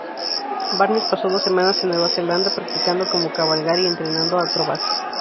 Barnes pasó dos semanas en Nueva Zelanda practicando cómo cabalgar y entrenando acrobacias.